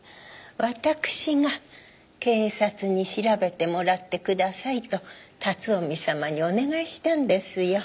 私が警察に調べてもらってくださいと辰臣様にお願いしたんですよ。